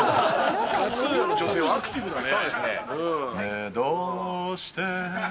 勝浦の女性はアクティブだね。